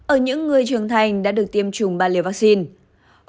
ở những người trưởng thành đã được tiêm chủng ba liều vaccine